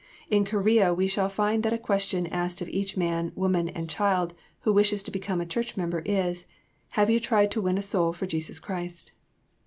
In Korea, we shall find that a question asked of each man, woman, and child who wishes to become a church member is, "Have you tried to win a soul for Jesus Christ?"